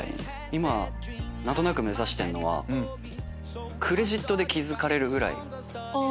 今何となく目指してるのはクレジットで気付かれるぐらい。